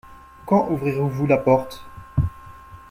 Quand ouvrirez-vous la porte ?